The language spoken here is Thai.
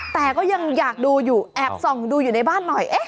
แต่ก็ยังอยากดูอยู่แอบส่องดูอยู่ในบ้านหน่อย